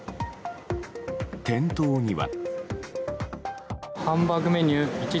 店頭には。